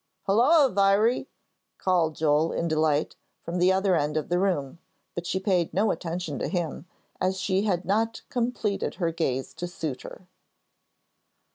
"Hulloa, Viry!" called Joel, in delight, from the other end of the room. But she paid no attention to him, as she had not completed her gaze to suit her.